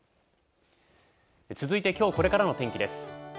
続いて今日これからの天気です。